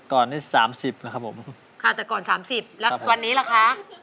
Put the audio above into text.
ก่อนนี่๓๐นะครับผมค่ะแต่ก่อน๓๐แล้ววันนี้ละคะ